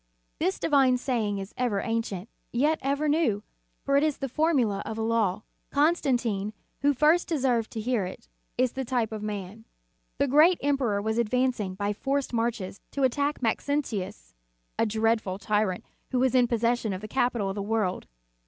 This divine saying is ever ancient, yet ever new, for it is the formula of a law. Constantine, who first deserved to hear it, is the type of man. The great emperor was advancing by forced marches to attack Maxentius, a dreadful tyrant who was in possession of the capital of the world.